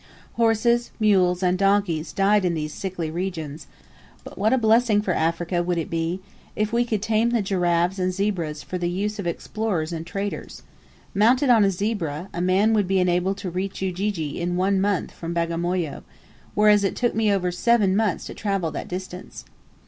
Horses, mules, and donkeys died in these sickly regions; but what a blessing for Africa would it be if we could tame the giraffes and zebras for the use of explorers and traders! Mounted on a zebra, a man would be enabled to reach Ujiji in one month from Bagamoyo; whereas it took me over seven months to travel that distance!